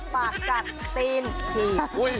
ปากกัดตีนถี่